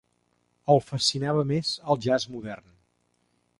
El fascinava més el jazz modern.